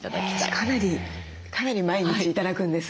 私かなり毎日頂くんです。